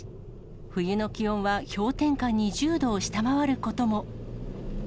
冬の気温は氷点下２０度を下回ることも。